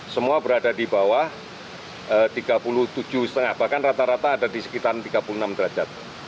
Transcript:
semua berada di bawah tiga puluh tujuh lima bahkan rata rata ada di sekitar tiga puluh enam derajat